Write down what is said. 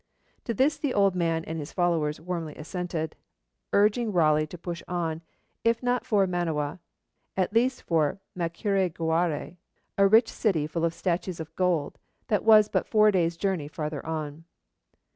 To this the old man and his followers warmly assented, urging Raleigh to push on, if not for Manoa, at least for Macureguarai, a rich city full of statues of gold, that was but four days' journey farther on.